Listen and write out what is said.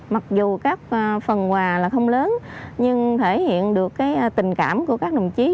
mặc dù các phần quà là không lớn nhưng thể hiện được tình cảm của các đồng chí